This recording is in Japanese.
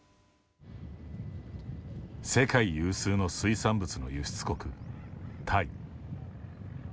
世界有数の水産物の輸出国タイ。